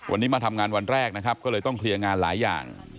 วันนี้มาทำงานวันแรกนะครับก็เลยต้องเคลียร์งานหลายอย่าง